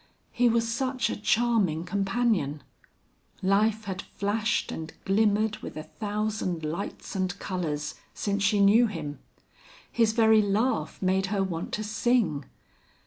He was such a charming companion; life had flashed and glimmered with a thousand lights and colors since she knew him; his very laugh made her want to sing.